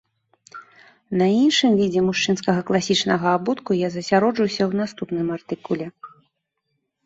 На іншым відзе мужчынскага класічнага абутку я засяроджуся ў наступным артыкуле.